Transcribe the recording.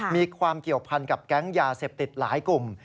มีความเกี่ยวพันกับแก๊งยาเสพติดหลายกลุ่ม